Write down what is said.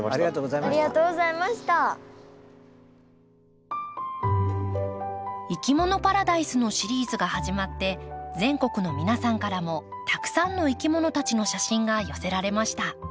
「いきものパラダイス」のシリーズが始まって全国の皆さんからもたくさんのいきものたちの写真が寄せられました。